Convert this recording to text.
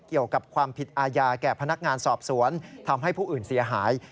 เกี่ยวกับความผิดอาญาแก่พนักงานสอบสวนทำให้ผู้อื่นเสียหาย